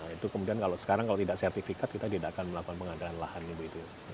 itu kemudian kalau sekarang kalau tidak sertifikat kita tidak akan melakukan pengadaan lahan ibu itu